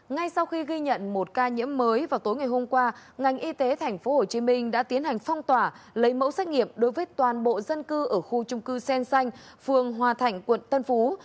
ngay sau khi ghi nhận một ca nhiễm mới vào tối ngày hôm qua ngành y tế tp hcm đã tiến hành phong tỏa lấy mẫu xét nghiệm đối với toàn bộ dân cư ở khu trung cư sen xanh phường hòa thạnh quận tân phú